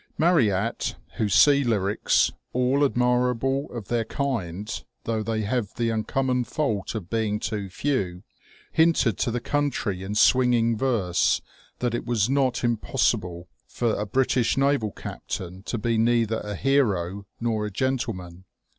Marryat, whose sea lyrics, all admirable of their kind, though they have the uncommon fault of being too few, hinted to the country in swinging verse that it was not impossible for a British naval captain to be neither a hero nor a gentle man.